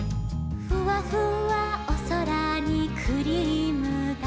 「ふわふわおそらにクリームだ」